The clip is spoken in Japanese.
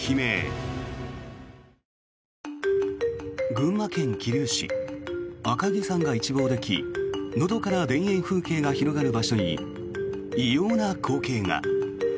群馬県桐生市赤城山が一望できのどかな田園風景が広がる場所に異様な光景が。